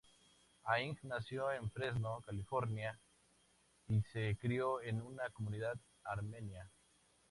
Haig nació en Fresno, California y se crio en una comunidad armenia.